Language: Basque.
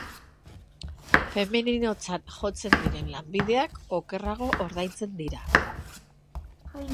Femeninotzat jotzen diren lanbideak okerrago ordaintzen dira.